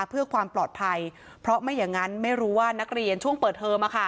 เพื่อความปลอดภัยเพราะไม่อย่างนั้นไม่รู้ว่านักเรียนช่วงเปิดเทอม